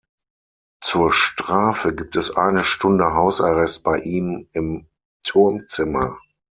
Zur „Strafe“ gibt es eine Stunde Hausarrest bei ihm im Turmzimmer.